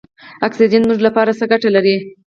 اکسیجن زموږ لپاره څه ګټه لري.